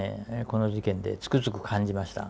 この事件でつくづく感じました。